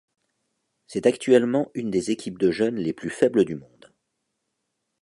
C'est actuellement une des équipes de jeunes les plus faibles du monde.